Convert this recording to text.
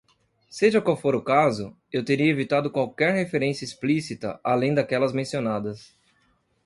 Seja qual for o caso, eu teria evitado qualquer referência explícita além daquelas mencionadas.